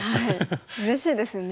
うれしいですよね